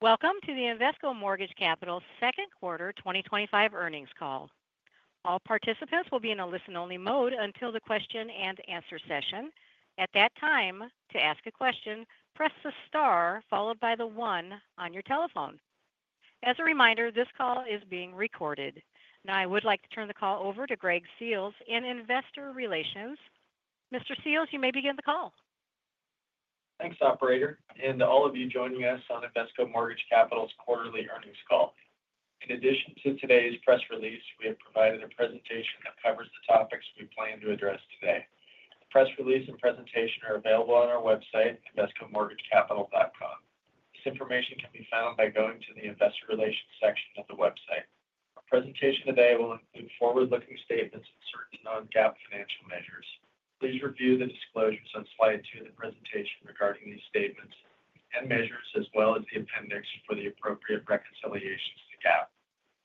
Welcome to Invesco Mortgage Capital's Second Quarter 2025 Earnings Call. All participants will be in a listen-only mode until the question-and-answer session. At that time, to ask a question, press the star followed by the one on your telephone. As a reminder, this call is being recorded. Now, I would like to turn the call over to Greg Seals in investor relations. Mr. Seals, you may begin the call. Thanks, operator, and all of you joining us on Invesco Mortgage Capital's quarterly earnings call. In addition to today's press release, we have provided a presentation that covers the topics we plan to address today. The press release and presentation are available on our website, invescomortgagecapital.com. This information can be found by going to the investor relations section of the website. Our presentation today will include forward-looking statements and certain non-GAAP financial measures. Please review the disclosures at slide two of the presentation regarding these statements and measures, as well as the appendix for the appropriate reconciliations to GAAP.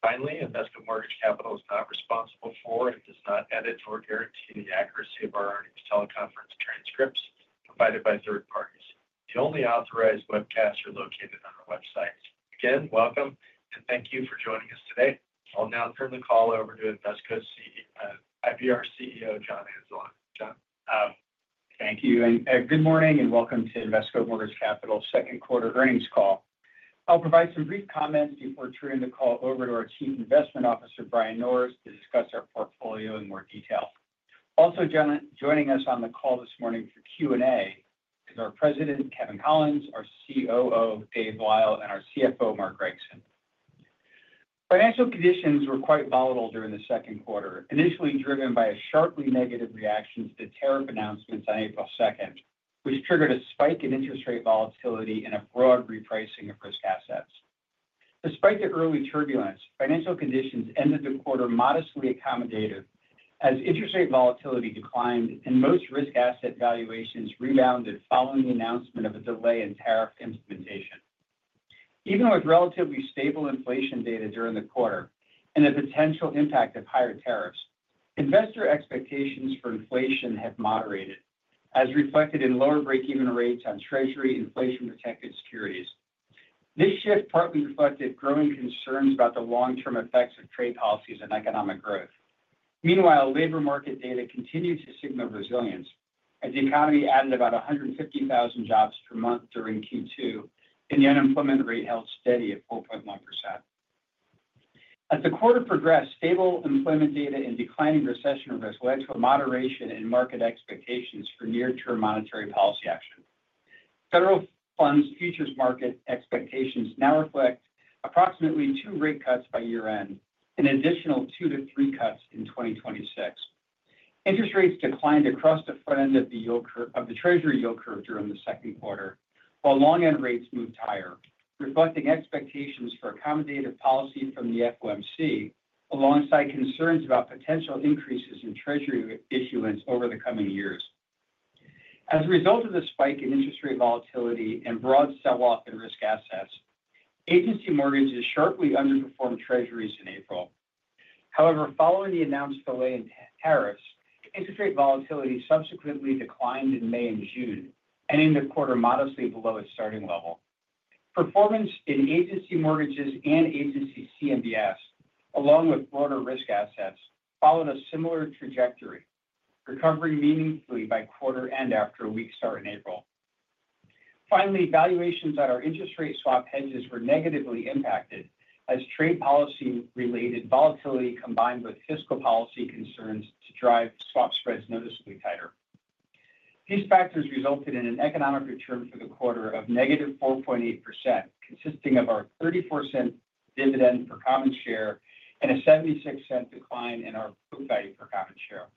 Finally, Invesco Mortgage Capital is not responsible for, and does not edit or guarantee the accuracy of our earnings teleconference transcripts provided by third parties. The only authorized webcasts are located on our website. Again, welcome and thank you for joining us today. I'll now turn the call over to Invesco Mortgage Capital's CEO, John Anzalone. Thank you, and good morning, and welcome to Invesco Mortgage Capital's Second Quarter Earnings Call. I'll provide some brief comments before turning the call over to our Chief Investment Officer, Brian Norris, to discuss our portfolio in more detail. Also, joining us on the call this morning for Q&A is our President, Kevin Collins, our COO, Dave Lyle, and our CFO, Mark Grayson. Financial conditions were quite volatile during the second quarter, initially driven by a sharply negative reaction to the tariff announcements on April 2nd, which triggered a spike in interest rate volatility and a broad repricing of risk assets. Despite the early turbulence, financial conditions ended the quarter modestly accommodative, as interest rate volatility declined and most risk asset valuations rebounded following the announcement of a delay in tariff implementation. Even with relatively stable inflation data during the quarter and the potential impact of higher tariffs, investor expectations for inflation have moderated, as reflected in lower breakeven rates on Treasury inflation-protected securities. This shift partly reflected growing concerns about the long-term effects of trade policies on economic growth. Meanwhile, labor market data continues to signal resilience, as the economy added about 150,000 jobs per month during Q2, and the unemployment rate held steady at 4.1%. As the quarter progressed, stable employment data and declining recession risk led to a moderation in market expectations for near-term monetary policy action. Federal funds futures market expectations now reflect approximately two rate cuts by year-end and an additional two-three cuts in 2026. Interest rates declined across the front end of the Treasury yield curve during the second quarter, while long-end rates moved higher, reflecting expectations for accommodative policy from the FOMC, alongside concerns about potential increases in Treasury issuance over the coming years. As a result of the spike in interest rate volatility and broad sell-off in risk assets, agency mortgages sharply underperformed Treasuries in April. However, following the announced delay in tariffs, interest rate volatility subsequently declined in May and June, ending the quarter modestly below its starting level. Performance in agency mortgages and Agency CMBS, along with loaner risk assets, followed a similar trajectory, recovering meaningfully by quarter-end after a weak start in April. Finally, valuations on our interest rate swap hedges were negatively impacted, as trade policy-related volatility combined with fiscal policy concerns drove swap spreads noticeably tighter. These factors resulted in an economic return for the quarter of -4.8%, consisting of our $0.34 dividend per common share and a $0.76 decline in our book value per common share.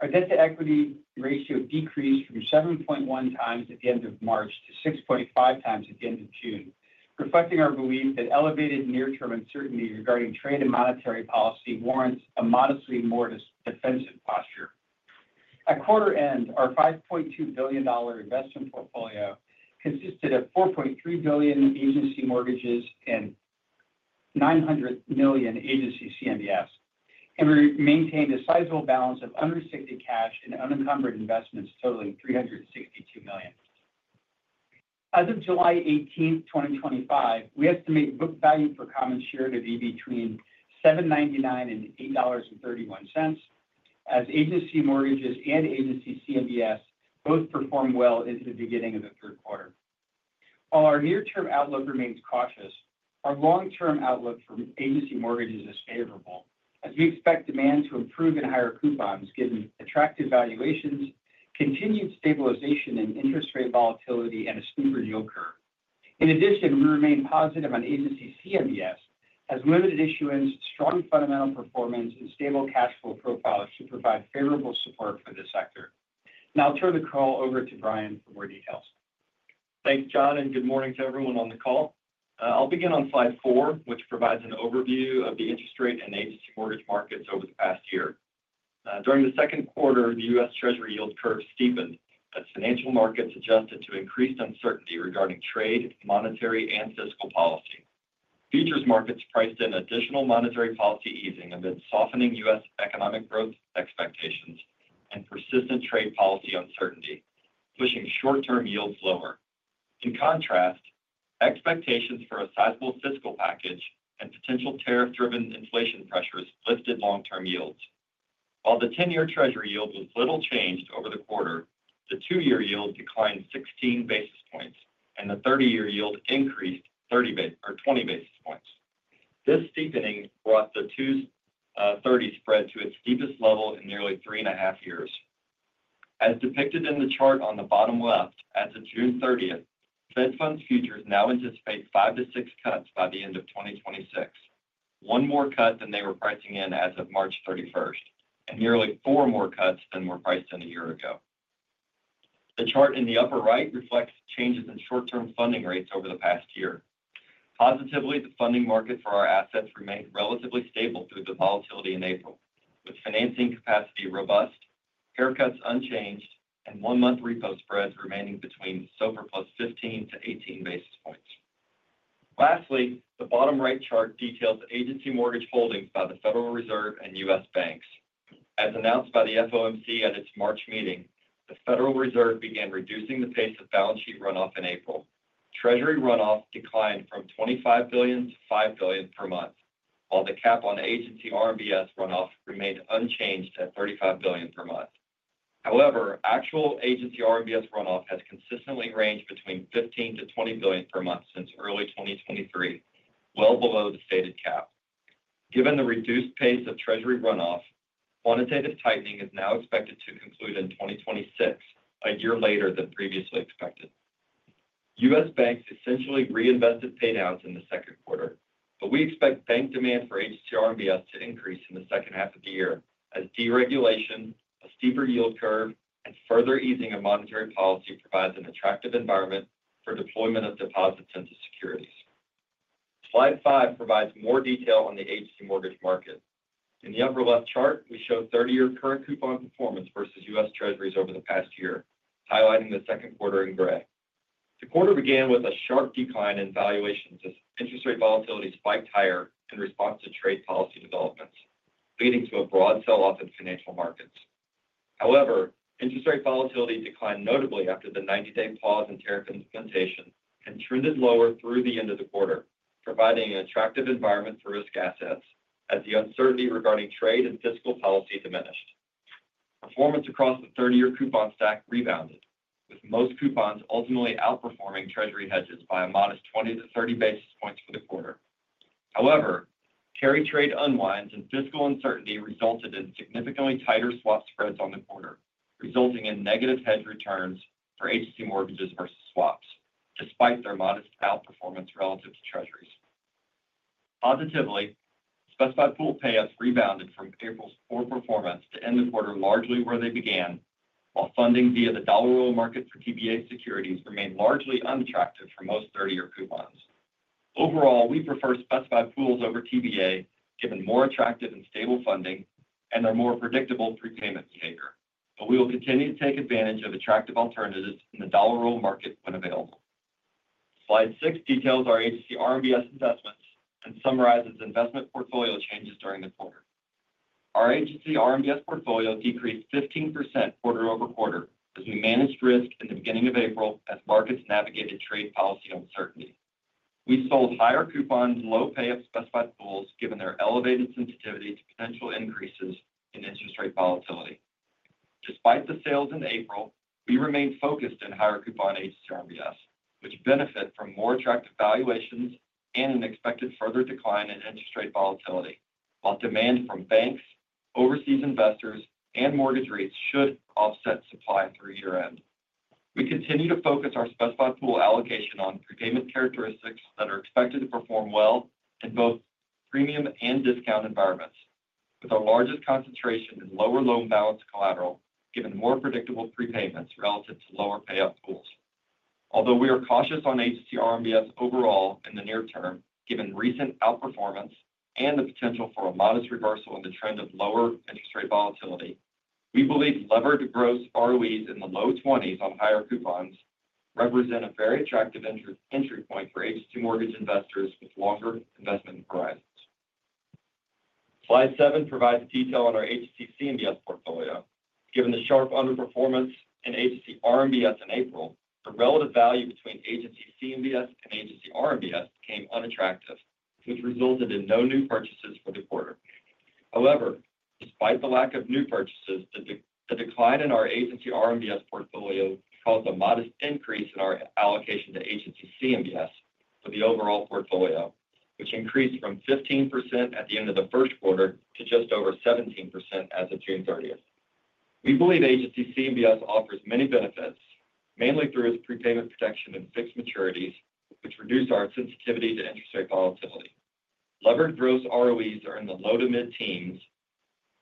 Our debt-to-equity ratio decreased from 7.1 times at the end of March to 6.5 times at the end of June, reflecting our belief that elevated near-term uncertainty regarding trade and monetary policy warrants a modestly more defensive posture. At quarter-end, our $5.2 billion investment portfolio consisted of $4.3 billion agency mortgages and $900 million Agency CMBS, and we maintained a sizable balance of unrestricted cash and unencumbered investments totaling $362 million. As of July 18, 2025, we estimate book value per common share to be between $7.99 and $8.31, as agency mortgages and Agency CMBS both performed well into the beginning of the third quarter. While our near-term outlook remains cautious, our long-term outlook for agency mortgages is favorable, as we expect demand to improve and higher coupons, given attractive valuations, continued stabilization in interest rate volatility, and a smoother yield curve. In addition, we remain positive on Agency CMBS, as limited issuance, strong fundamental performance, and stable cash flow profiles should provide favorable support for the sector. Now, I'll turn the call over to Brian for more details. Thanks, John, and good morning to everyone on the call. I'll begin on slide four, which provides an overview of the interest rate and agency mortgage markets over the past year. During the second quarter, the U.S. Treasury yield curve steepened, as financial markets adjusted to increased uncertainty regarding trade, monetary, and fiscal policy. Futures markets priced in additional monetary policy easing amid softening U.S. economic growth expectations and persistent trade policy uncertainty, pushing shorter-term yields lower. In contrast, expectations for a sizable fiscal package and potential tariff-driven inflation pressures lifted long-term yields. While the 10-year Treasury yield was little changed over the quarter, the two-year yield declined 16 basis points, and the 30-year yield increased 20 basis points. This steepening brought the 2/30 spread to its steepest level in nearly three and a half years. As depicted in the chart on the bottom left, as of June 30th, Fed Funds futures now anticipate five-six cuts by the end of 2026, one more cut than they were pricing in as of March 31, and nearly four more cuts than were priced in a year ago. The chart in the upper right reflects changes in short-term funding rates over the past year. Positively, the funding markets for our assets remained relatively stable through the volatility in April, with financing capacity robust, haircuts unchanged, and one-month repo spreads remaining between the SOFR plus 15-18 basis points. Lastly, the bottom right chart details agency mortgage holdings by the Federal Reserve and U.S. banks. As announced by the FOMC at its March meeting, the Federal Reserve began reducing the pace of balance sheet runoff in April. Treasury runoff declined from $25 billion-$5 billion per month, while the cap on Agency RMBS runoff remained unchanged at $35 billion per month. However, actual Agency RMBS runoff has consistently ranged between $15 billion-$20 billion per month since early 2023, well below the stated cap. Given the reduced pace of Treasury runoff, quantitative tightening is now expected to conclude in 2026, a year later than previously expected. U.S. banks essentially reinvested paydowns in the second quarter, but we expect bank demand for Agency RMBS to increase in the second half of the year, as deregulation, a steeper yield curve, and further easing of monetary policy provide an attractive environment for deployment of deposits into securities. Slide five provides more detail on the agency mortgage market. In the upper left chart, we show 30-year current coupon performance versus U.S. Treasuries over the past year, highlighting the second quarter in gray. The quarter began with a sharp decline in valuations as interest rate volatility spiked higher in response to trade policy developments, leading to a broad sell-off in financial markets. However, interest rate volatility declined notably after the 90-day pause in tariff implementation and trended lower through the end of the quarter, providing an attractive environment for risk assets, as the uncertainty regarding trade and fiscal policy diminished. Performance across the 30-year coupon stack rebounded, with most coupons ultimately outperforming Treasury hedges by a modest 20-30 basis points for the quarter. However, carry trade unwinds and fiscal uncertainty resulted in significantly tighter swap spreads on the quarter, resulting in negative hedge returns for agency mortgages versus swaps, despite their modest outperformance relative to Treasuries. Positively, specified pool payouts rebounded from April's poor performance to end the quarter largely where they began, while funding via the dollar roll market for TBA Securities remained largely unattractive for most 30-year coupons. Overall, we prefer specified pools over TBA, given more attractive and stable funding and their more predictable prepayment behavior, but we will continue to take advantage of attractive alternatives in the dollar roll market when available. Slide six details our Agency RMBS investments and summarizes investment portfolio changes during the quarter. Our Agency RMBS portfolio decreased 15% quarter over quarter, as we managed risk in the beginning of April as markets navigated trade policy uncertainty. We sold higher coupons and low payout specified pools, given their elevated sensitivity to potential increases in interest rate volatility. Despite the sales in April, we remained focused on higher coupon Agency RMBS, which benefit from more attractive valuations and an expected further decline in interest rate volatility, while demand from banks, overseas investors, and mortgage rates should offset supply through year-end. We continue to focus our specified pool allocation on prepayment characteristics that are expected to perform well in both premium and discount environments, with our largest concentration in lower loan balance collateral, given the more predictable prepayments relative to lower payout pools. Although we are cautious on Agency RMBS overall in the near term, given recent outperformance and the potential for a modest reversal in the trend of lower interest rate volatility, we believe Leveraged Gross ROEs in the low 20s on higher coupons represent a very attractive entry point for agency mortgage investors with longer investment horizons. Slide seven provides a detail on our Agency CMBS portfolio. Given the sharp underperformance in Agency RMBS in April, the relative value between Agency CMBS and Agency RMBS became unattractive, which resulted in no new purchases for the quarter. However, despite the lack of new purchases, the decline in our Agency RMBS portfolio caused a modest increase in our allocation to Agency CMBS for the overall portfolio, which increased from 15% at the end of the first quarter to just over 17% as of June 30th. We believe Agency CMBS offers many benefits, mainly through its prepayment protection and fixed maturities, which reduce our sensitivity to interest rate volatility. Leveraged Gross ROEs are in the low to mid-teens,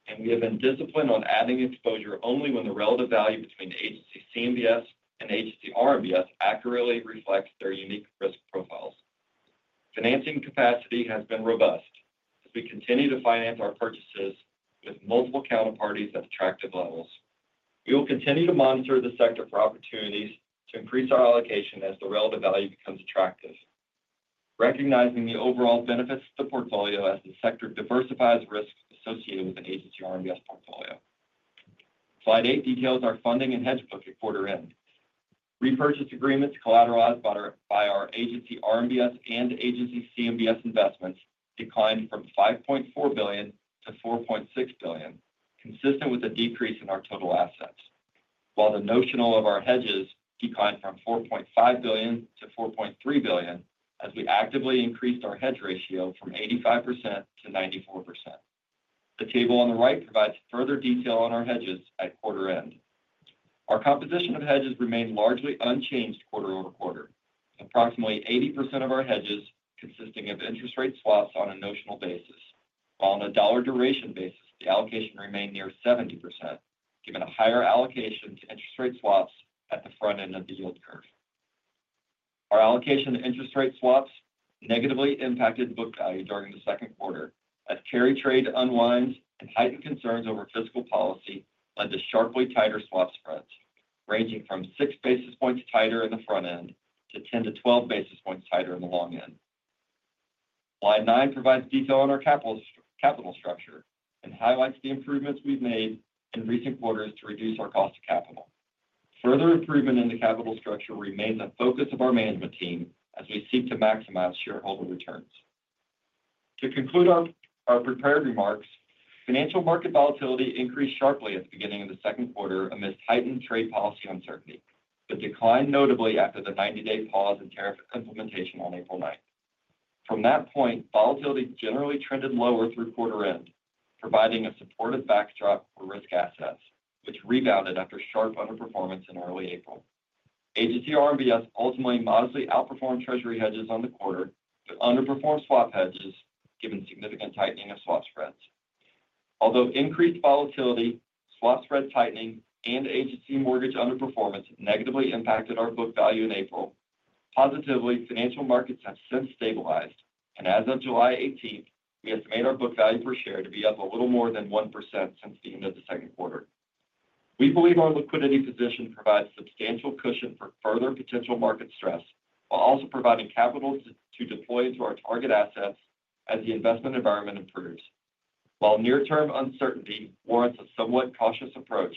and we have been disciplined on adding exposure only when the relative value between Agency CMBS and Agency RMBS accurately reflects their unique risk profiles. Financing capacity has been robust, as we continue to finance our purchases with multiple counterparties at attractive levels. We will continue to monitor the sector for opportunities to increase our allocation as the relative value becomes attractive, recognizing the overall benefits of the portfolio as the sector diversifies risks associated with the Agency RMBS portfolio. Slide eight details our funding and hedge book at quarter-end. Repurchase agreements collateralized by our Agency RMBS and Agency CMBS investments declined from $5.4 billion to $4.6 billion, consistent with a decrease in our total assets, while the notional of our hedges declined from $4.5 billion to $4.3 billion, as we actively increased our hedge ratio from 85% to 94%. The table on the right provides further detail on our hedges at quarter-end. Our composition of hedges remained largely unchanged quarter over quarter, approximately 80% of our hedges consisting of interest rate swaps on a notional basis, while on a dollar duration basis, the allocation remained near 70%, given a higher allocation to interest rate swaps at the front end of the yield curve. Our allocation to interest rate swaps negatively impacted book value during the second quarter, as carry trade unwinds and heightened concerns over fiscal policy led to sharply tighter swap spreads, ranging from 6 basis points tighter in the front end to 10-12 basis points tighter in the long end. Slide nine provides detail on our capital structure and highlights the improvements we've made in recent quarters to reduce our cost of capital. Further improvement in the capital structure remains a focus of our management team as we seek to maximize shareholder returns. To conclude our prepared remarks, financial market volatility increased sharply at the beginning of the second quarter amidst heightened trade policy uncertainty, but declined notably after the 90-day pause in tariff implementation on April 9. From that point, volatility generally trended lower through quarter-end, providing a supportive backdrop for risk assets, which rebounded after sharp underperformance in early April. Agency RMBS ultimately modestly outperformed Treasury hedges on the quarter, but underperformed swap hedges, given significant tightening of swap spreads. Although increased volatility, swap spread tightening, and agency mortgage underperformance negatively impacted our book value in April, positively, financial markets have since stabilized, and as of July 18th, we estimate our book value per share to be up a little more than 1% since the end of the second quarter. We believe our liquidity position provides substantial cushion for further potential market stress, while also providing capital to deploy into our target assets as the investment environment improves. While near-term uncertainty warrants a somewhat cautious approach,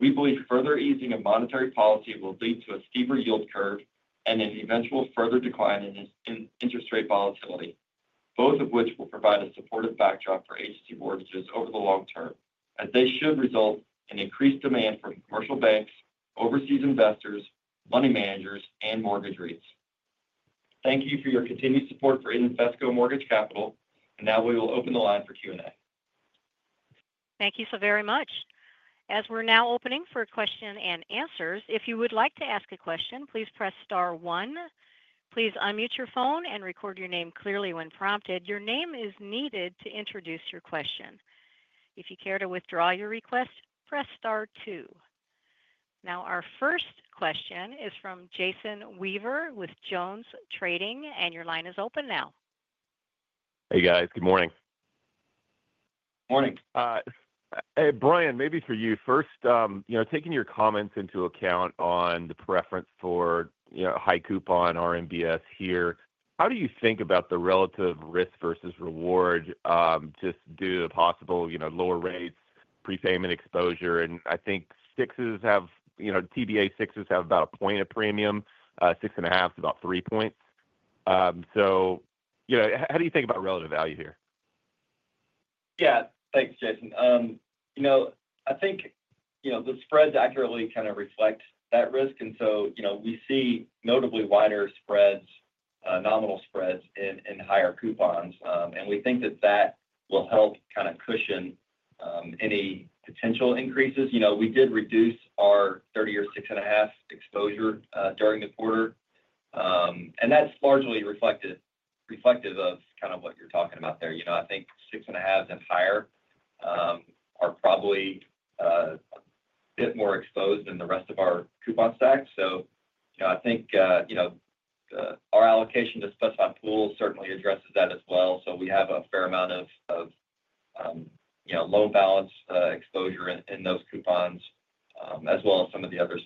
we believe further easing of monetary policy will lead to a steeper yield curve and an eventual further decline in interest rate volatility, both of which will provide a supportive backdrop for agency mortgages over the long term, as they should result in increased demand from commercial banks, overseas investors, money managers, and mortgage rates. Thank you for your continued support for Invesco Mortgage Capital, and now we will open the line for Q&A. Thank you so very much. As we're now opening for questions and answers, if you would like to ask a question, please press star one. Please unmute your phone and record your name clearly when prompted. Your name is needed to introduce your question. If you care to withdraw your request, press star two. Our first question is from Jason Weaver with JonesTrading, and your line is open now. Hey, guys. Good morning. Morning. Hey, Brian, maybe for you first, taking your comments into account on the preference for high coupon RMBS here, how do you think about the relative risk versus reward, just due to the possible lower rates, prepayment exposure? I think sixes have TBA sixes have about a point of premium, six and a half is about three points. How do you think about relative value here? Yeah, thanks, Jason. I think the spreads accurately kind of reflect that risk. We see notably wider spreads, nominal spreads in higher coupons, and we think that will help cushion any potential increases. We did reduce our 30 or 6.5 exposure during the quarter, and that's largely reflective of what you're talking about there. I think 6.5 and higher are probably a bit more exposed than the rest of our coupon stack. I think our allocation to specified pools certainly addresses that as well. We have a fair amount of low balance exposure in those coupons, as well as some of the other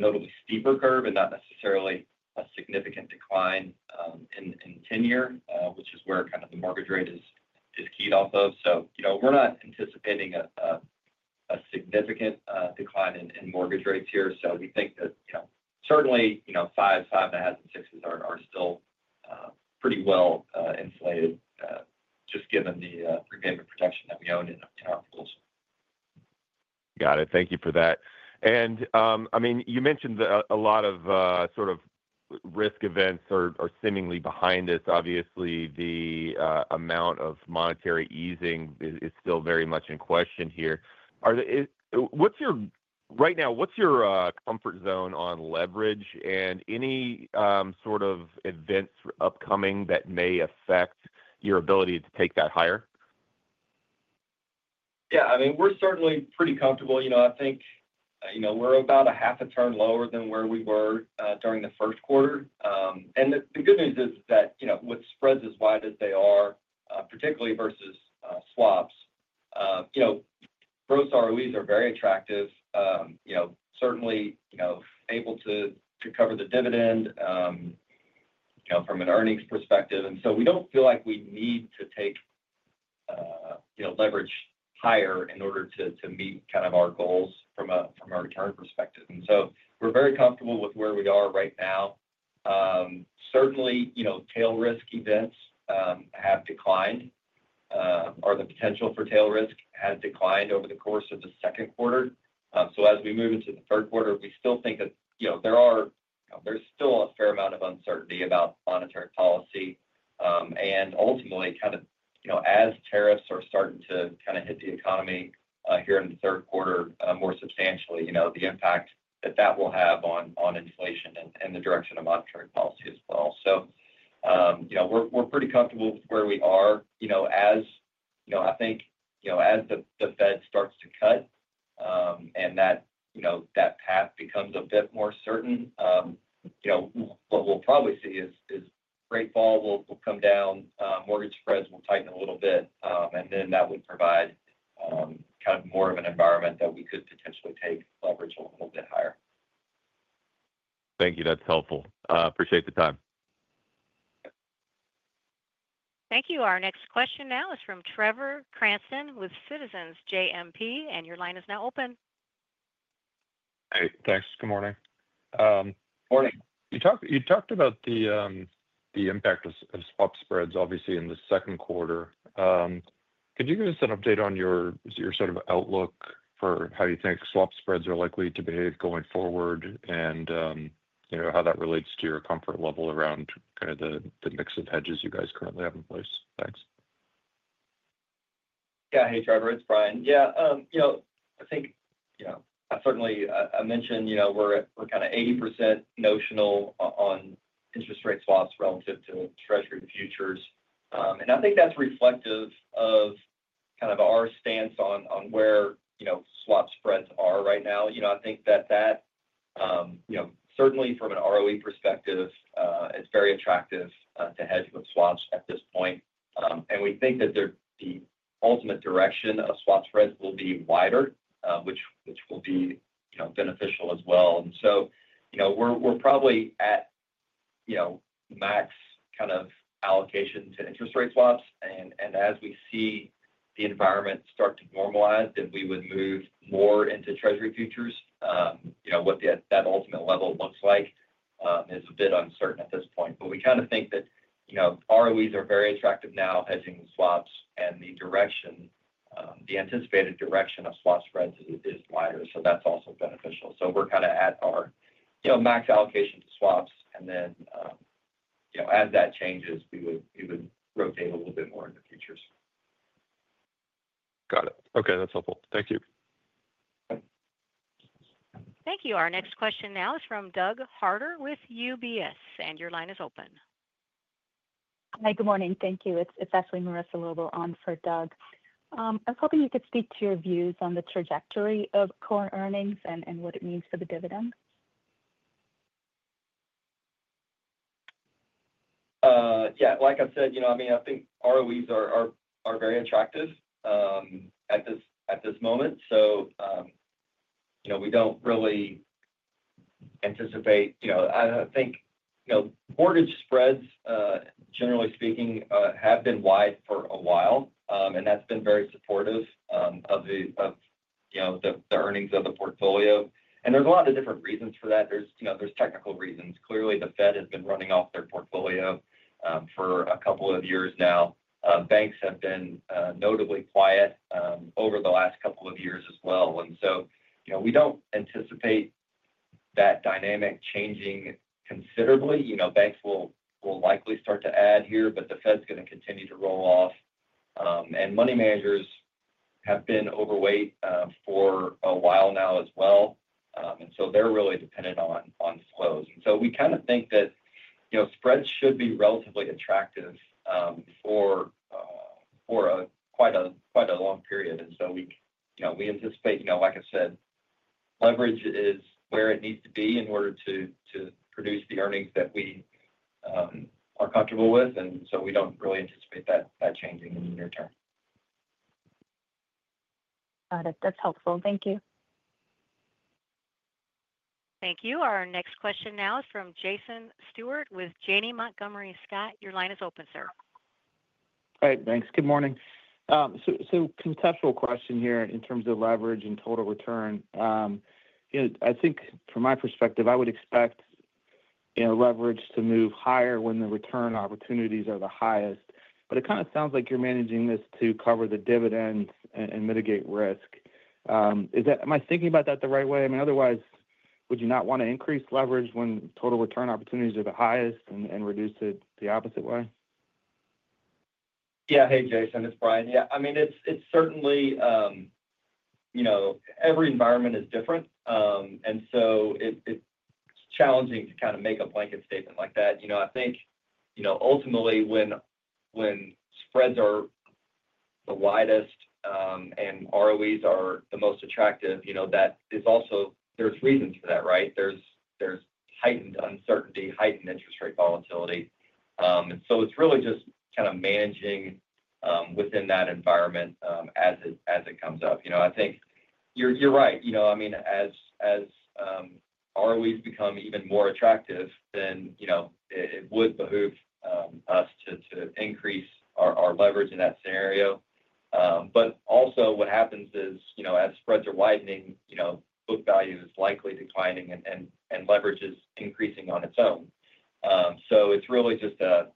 stories that help protect us. We don't own any TBA as of quarter end, so I feel like we're pretty well protected to the extent that we do see notably lower rates. Our expectation is that, at least our house view is that the Fed will cut a couple of times here at the end of 2025, and then a few more times in 2026. Really, I think we think that would result in just a notably steeper curve and not necessarily a significant decline in 10-year, which is where the mortgage rate is keyed off of. We're not anticipating a significant decline in mortgage rates here. We think that certainly 5, 5.5, and 6s are still pretty well insulated, just given the protection that we own in our pools. Thank you for that. You mentioned that a lot of, sort of risk events are seemingly behind this. Obviously, the amount of monetary policy easing is still very much in question here. What's your, right now, what's your comfort zone on leverage and any sort of events upcoming that may affect your ability to take that higher? Yeah, I mean, we're certainly pretty comfortable. I think we're about a half a turn lower than where we were during the first quarter. The good news is that with spreads as wide as they are, particularly versus swaps, gross ROEs are very attractive. We're certainly able to cover the dividend from an earnings perspective. We don't feel like we need to take leverage higher in order to meet kind of our goals from our retirement perspective. We're very comfortable with where we are right now. Certainly, tail risk events have declined, or the potential for tail risk has declined over the course of the second quarter. As we move into the third quarter, we still think that there is still a fair amount of uncertainty about monetary policy. Ultimately, as tariffs are starting to hit the economy here in the third quarter more substantially, the impact that will have on inflation and the direction of monetary policy as well. We're pretty comfortable with where we are. I think as the Fed starts to cut, and that path becomes a bit more certain, what we'll probably see is rate vol will come down, mortgage spreads will tighten a little bit, and then that would provide more of an environment that we could potentially take a bit higher. Thank you. That's helpful. I appreciate the time. Thank you. Our next question now is from Trevor Cranston with Citizens JMP, and your line is now open. Hey, thanks. Good morning. Morning. You talked about the impact of swap spreads, obviously, in the second quarter. Could you give us an update on your outlook for how you think swap spreads are likely to behave going forward and how that relates to your comfort level around the mix of hedges you guys currently have in place? Thanks. Yeah. Hey, Trevor. It's Brian. I think, you know, I certainly mentioned we're at kind of 80% notional on interest rate swaps relative to U.S. Treasury futures, and I think that's reflective of our stance on where swap spreads are right now. I think that, certainly from an ROE perspective, it is very attractive to hedge with swaps at this point. We think that the ultimate direction of swap spreads will be wider, which will be beneficial as well. We're probably at max kind of allocation to interest rate swaps. As we see the environment start to normalize, we would move more into U.S. Treasury futures. What that ultimate level looks like is a bit uncertain at this point, but we kind of think that ROEs are very attractive now in swaps, and the anticipated direction of swap spreads is wider. That's also beneficial. We're kind of at our max allocation to swaps, and as that changes, we would rotate a little bit more into futures. Got it. Okay, that's helpful. Thank you. Thank you. Our next question now is from Doug Harder with UBS, and your line is open. Hi. Good morning. Thank you. It's actually Marissa Lobo on for Doug. I was hoping you could speak to your views on the trajectory of core earnings and what it means for the dividend. Yeah. Like I said, I mean, I think ROEs are very attractive at this moment. We don't really anticipate, I think, mortgage spreads, generally speaking, have been wide for a while, and that's been very supportive of the earnings of the portfolio. There's a lot of different reasons for that. There are technical reasons. Clearly, the Fed has been running off their portfolio for a couple of years now. Banks have been notably quiet over the last couple of years as well. We don't anticipate that dynamic changing considerably. Banks will likely start to add here, but the Fed's going to continue to roll off, and money managers have been overweight for a while now as well, so they're really dependent on flows. We kind of think that spreads should be relatively attractive for quite a long period. We anticipate, like I said, leverage is where it needs to be in order to produce the earnings that we are comfortable with. We don't really anticipate that changing in the near term. Got it. That's helpful. Thank you. Thank you. Our next question now is from Jason Stewart with Janney Montgomery Scott. Your line is open, sir. All right. Thanks. Good morning. Contextual question here in terms of leverage and total return. I think from my perspective, I would expect leverage to move higher when the return opportunities are the highest. It kind of sounds like you're managing this to cover the dividend and mitigate risk. Am I thinking about that the right way? Otherwise, would you not want to increase leverage when total return opportunities are the highest and reduce it the opposite way? Yeah. Hey, Jason. It's Brian. Yeah. I mean, it's certainly, you know, every environment is different, and so it's challenging to kind of make a blanket statement like that. You know, I think, you know, ultimately, when spreads are the widest and ROEs are the most attractive, that is also there's reasons for that, right? There's heightened uncertainty, heightened interest rate volatility, and so it's really just kind of managing within that environment as it comes up. I think you're right. I mean, as ROEs become even more attractive, then it would behoove us to increase our leverage in that scenario. Also, what happens is, as spreads are widening, book value is likely declining and leverage is increasing on its own. It's really just a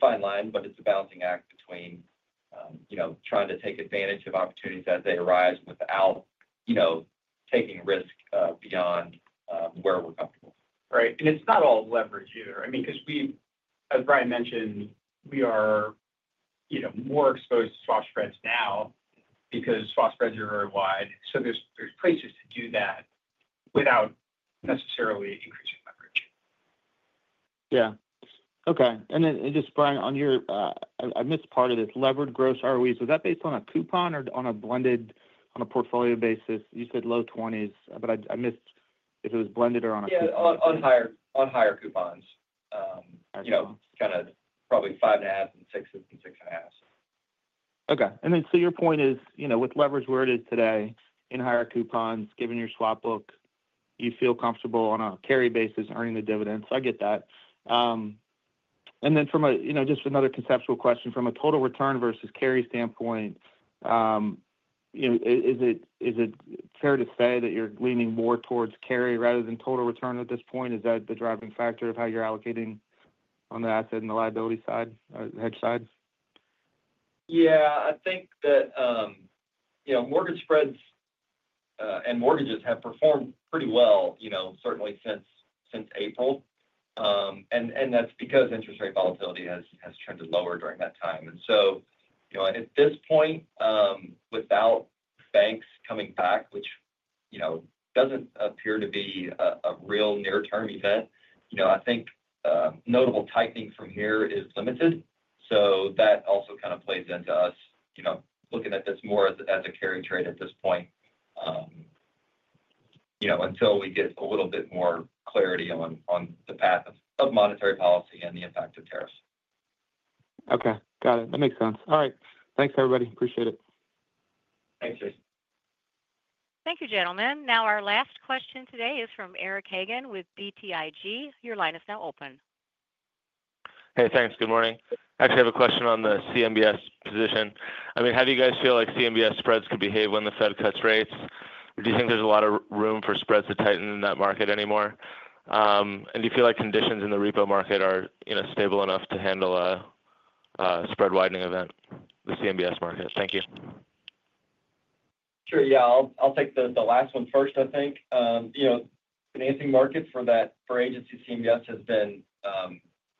fine line, but it's a balancing act between trying to take advantage of opportunities as they arise without taking risk beyond where it would come. All right. It's not all leverage either. I mean, because we, as Brian mentioned, we are more exposed to swap spreads now because swap spreads are very wide. There's places to do that without necessarily increasing leverage. Okay. Brian, on your Leveraged Gross ROEs, was that based on a coupon or on a blended, on a portfolio basis? You said low 20s, but I missed if it was blended or on a coupon. Yeah, on higher coupons, you know, kind of probably 5.5% and 6% and 6.5%. Okay. Your point is, you know, with leverage where it is today, in higher coupons, given your swap book, you feel comfortable on a carry basis earning the dividend. I get that. From just another conceptual question, from a total return versus carry standpoint, is it fair to say that you're leaning more towards carry rather than total return at this point? Is that the driving factor of how you're allocating on the asset and the liability side or the hedge side? Yeah. I think that, you know, mortgage spreads and mortgages have performed pretty well, you know, certainly since April. That's because interest rate volatility has trended lower during that time. At this point, without banks coming back, which, you know, doesn't appear to be a real near-term event, I think notable tightening from here is limited. That also kind of plays into us looking at this more as a carry trade at this point, until we get a little bit more clarity on the path of monetary policy and the impact of tariffs. Okay. Got it. That makes sense. All right. Thanks, everybody. Appreciate it. Thank you, gentlemen. Now, our last question today is from Eric Hagen with BTIG. Your line is now open. Hey, thanks. Good morning. I have a question on the CMBS position. How do you guys feel like CMBS spreads could behave when the Fed cuts rates? Do you think there's a lot of room for spreads to tighten in that market anymore? Do you feel like conditions in the repo market are stable enough to handle a spread widening event in the CMBS market? Thank you. Sure. I'll take the last one first, I think. Financing markets for Agency CMBS have been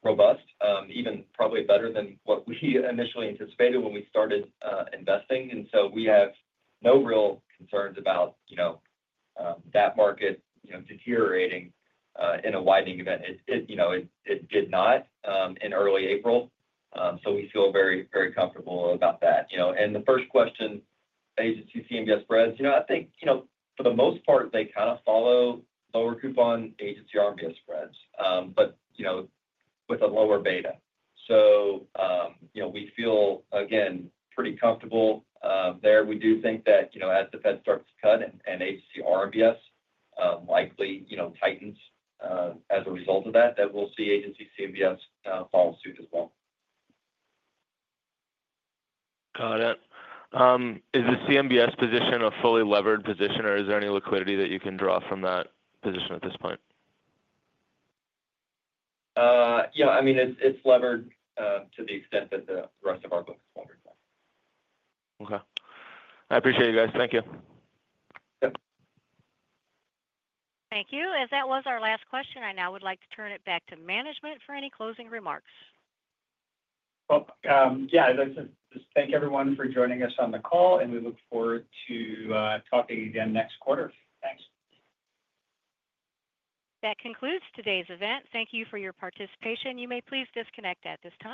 robust, even probably better than what we initially anticipated when we started investing. We have no real concerns about that market deteriorating in a widening event. It did not in early April. We feel very, very comfortable about that. On the first question, Agency CMBS spreads, for the most part, they kind of follow lower coupon Agency RMBS spreads, but with a lower beta. We feel, again, pretty comfortable there. We do think that as the Fed starts to cut and Agency RMBS likely tightens as a result of that, we'll see Agency CMBS follow suit as well. Got it. Is the CMBS position a fully levered position, or is there any liquidity that you can draw from that position at this point? Yeah, I mean, it's levered to the extent that the rest of our book. Okay, I appreciate you guys. Thank you. Thank you. As that was our last question, I now would like to turn it back to management for any closing remarks. As I said, just thank everyone for joining us on the call, and we look forward to talking again next quarter. Thanks. That concludes today's event. Thank you for your participation. You may please disconnect at this time.